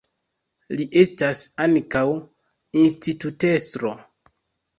Li estas ankaŭ institutestro.